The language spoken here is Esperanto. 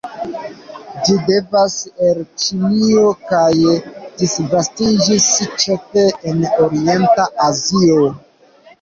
Ĝi devenas el Ĉinio, kaj disvastiĝis ĉefe en orienta Azio.